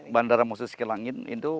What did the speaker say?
bandara musuh sekilangin itu